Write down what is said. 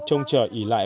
trông chờ ý lại